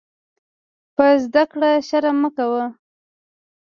په زده کړه شرم مه کوۀ.